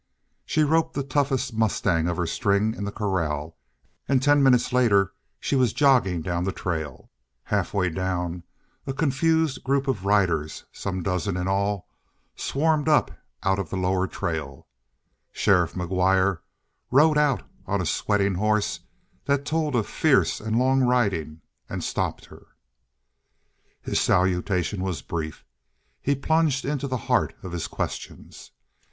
She roped the toughest mustang of her "string" in the corral, and ten minutes later she was jogging down the trail. Halfway down a confused group of riders some dozen in all swarmed up out of the lower trail. Sheriff McGuire rode out on a sweating horse that told of fierce and long riding and stopped her. His salutation was brief; he plunged into the heart of his questions.